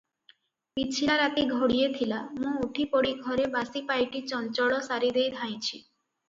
ପିଛିଲା ରାତି ଘଡ଼ିଏ ଥିଲା, ମୁଁ ଉଠି ପଡ଼ି ଘରେ ବାସିପାଇଟି ଚଞ୍ଚଳ ସାରିଦେଇ ଧାଇଁଛି ।